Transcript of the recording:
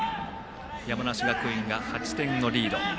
山梨学院が８点のリード。